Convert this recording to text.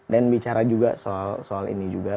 dan bicara juga soal ini juga